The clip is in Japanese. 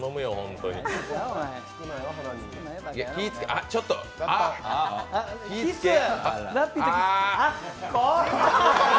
あっ、ちょっと、気ぃつけや。